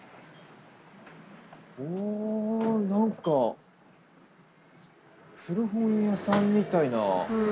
お何か古本屋さんみたいな。